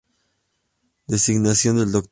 Designación del Dr.